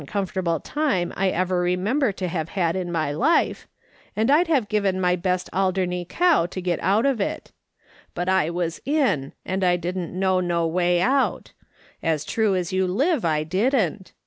comfortal)le time I ever remember to have had in my life, and I'd have given my best Alderney cow to get out of it ; but I was in and I didn't know no way out; as true as you live, I didn't.